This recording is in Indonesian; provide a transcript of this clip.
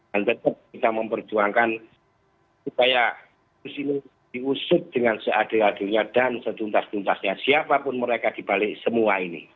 dan tetep kita memperjuangkan supaya diusut dengan seadil adilnya dan seduntas duntasnya siapapun mereka dibalik semua ini